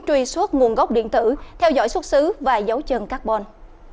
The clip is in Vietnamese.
truy xuất nguồn gốc điện tử theo dõi xuất xứ và dấu chân carbon